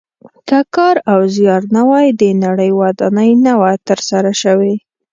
که کار او زیار نه وای د نړۍ ودانۍ نه وه تر سره شوې.